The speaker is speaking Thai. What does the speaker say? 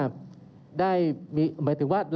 เรามีการปิดบันทึกจับกลุ่มเขาหรือหลังเกิดเหตุแล้วเนี่ย